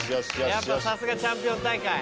やっぱさすがチャンピオン大会。